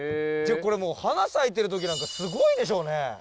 これ花咲いてる時なんかすごいでしょうね。